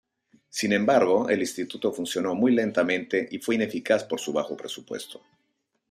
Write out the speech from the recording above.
Sin embargo el Instituto funcionó muy lentamente, y fue ineficaz por su bajo presupuesto.